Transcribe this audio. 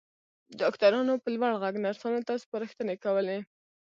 ډاکټرانو په لوړ غږ نرسانو ته سپارښتنې کولې.